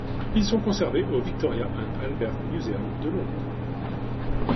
Ils sont conservés au Victoria and Albert Museum de Londres.